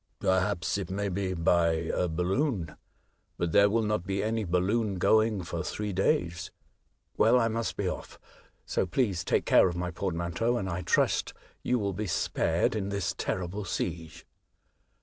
" Perhaps it may be by a balloon ; but there will not be any balloon going for three days." '' Well, I must be off. So please take care of my portmanteau, and I trust you will be spared in this terrible siege."